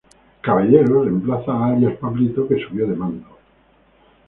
Caballero remplaza a alias "Pablito" que subió de mando.